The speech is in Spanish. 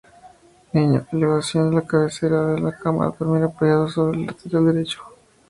Niño: Elevación de la cabecera de la cama, dormir apoyado sobre el lateral derecho.